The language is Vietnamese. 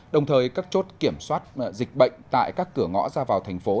đồng thời các chốt kiểm soát dịch bệnh tại các cửa ngõ ra vào thành phố